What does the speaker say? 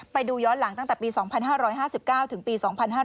ไปดูย้อนหลังตั้งแต่ปี๒๕๕๙ถึงปี๒๕๕๙